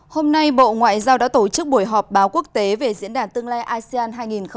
hôm nay bộ ngoại giao đã tổ chức buổi họp báo quốc tế về diễn đàn tương lai asean hai nghìn hai mươi